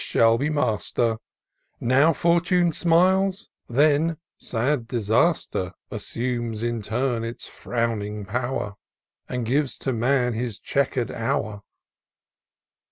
shall be master : Now Fortune smiles — then sad disaster Assumes, in turn, its frowning power. And gives to man his chequer'd hour.